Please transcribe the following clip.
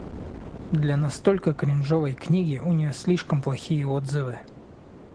Для настолько кринжовой книги у неё слишком плохие отзывы.